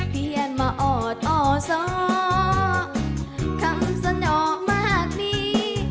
เพียรมาอดอ่อสอคำเสนอกมากมี